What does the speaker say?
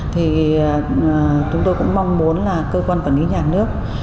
thì chúng tôi cũng mong muốn là cơ quan quản lý nhà nước